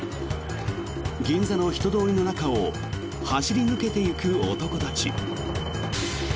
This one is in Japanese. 銀座の人通りの中を走り抜けていく男たち。